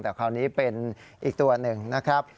แต่คราวนี้เป็นอีกตัวหนึ่งนะครับ